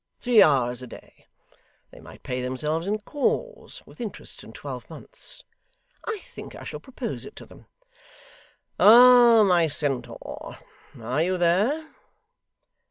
Three hours a day. They might pay themselves in calls, with interest, in twelve months. I think I shall propose it to them. Ah, my centaur, are you there?